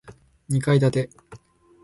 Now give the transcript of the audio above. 二階建て